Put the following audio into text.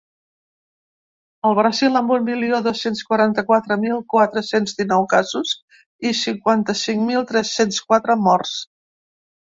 El Brasil, amb un milió dos-cents quaranta-quatre mil quatre-cents dinou casos i cinquanta-cinc mil tres-cents quatre morts.